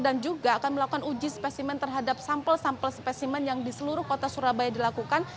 dan juga akan melakukan uji spesimen terhadap sampel sampel spesimen yang di seluruh kota surabaya dilakukan